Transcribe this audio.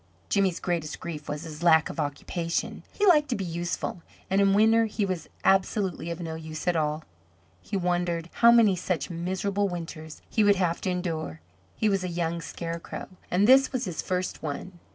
Jimmy's greatest grief was his lack of occupation. He liked to be useful, and in winter he was absolutely of no use at all. He wondered how many such miserable winters he would have to endure. He was a young Scarecrow, and this was his first one.